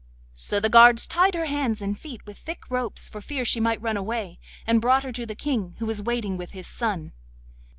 So the guards tied her hands and feet with thick ropes, for fear she might run away, and brought her to the King, who was waiting with his son.